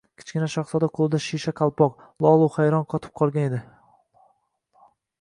Kichkina shahzoda qo‘lida shisha qalpoq, lol-u hayron qotib qolgan edi.